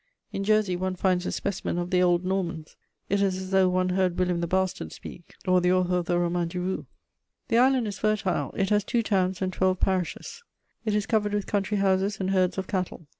In Jersey, one finds a specimen of the old Normans; it is as though one heard William the Bastard speak, or the author of the Roman du Rou. The island is fertile: it has two towns and twelve parishes; it is covered with country houses and herds of cattle.